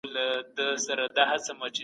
فشار د ذهني سکون مخه نیسي.